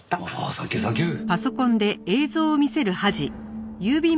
サンキューサンキュー！